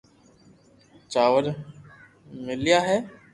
چاور ميليا ھي